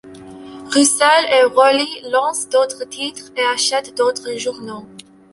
Russell et Worley lancent d'autres titres et achètent d'autres journaux.